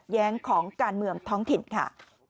แย้งของการเมืองท้องถิ่นค่ะ